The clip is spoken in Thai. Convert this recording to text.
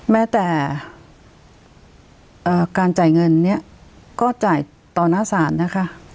แม้แต่การจ่ายเงินเนี่ยก็จ่ายต่อหน้าศาลนะคะ